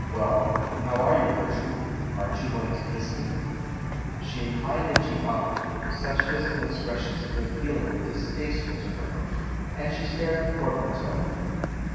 Well, how are you, Ger trude? Aren't you going to kiss me?" She inclined a cheek awkwardly — such physical expressions of good feeling were distasteful to her — and stared at the portmanteau.